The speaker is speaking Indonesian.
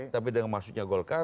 tapi dengan maksudnya goldcar